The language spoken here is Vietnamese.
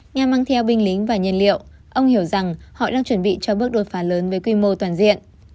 nhằm mang theo binh lính và nhiên liệu ông hiểu rằng họ đang chuẩn bị cho bước đột phá lớn với quy mô toàn diện